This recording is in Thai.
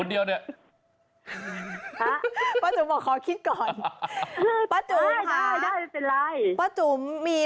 แล้วถ้าผมกินหมดบ้อเลยโอเคไหม